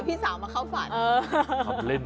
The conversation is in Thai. พี่ฝนธนสุดนอน